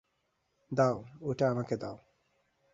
দাও, ওটা আমাকে দাও।